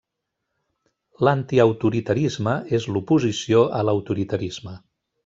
L'antiautoritarisme és l'oposició a l'autoritarisme.